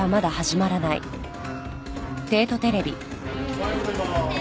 おはようございます。